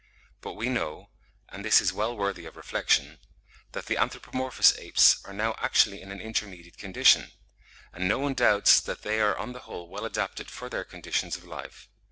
But we know (and this is well worthy of reflection) that the anthropomorphous apes are now actually in an intermediate condition; and no one doubts that they are on the whole well adapted for their conditions of life.